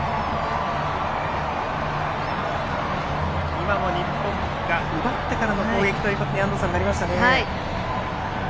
今も、日本が奪ってからの攻撃ということになりましたね、安藤さん。